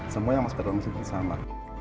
semua yang masih berada di masjid itu sama